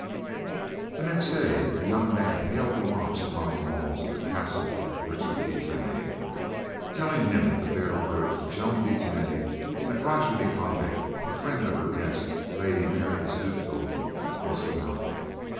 The next day, a young man hailed the watch upon the walls of the castle of Richard de Tany, telling him to bear word to Joan de Tany that Roger de Conde, a friend of her guest Lady Mary de Stutevill, was without.